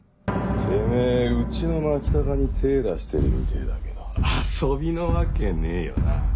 てめぇうちの牧高に手出してるみてぇだけど遊びのわけねえよな？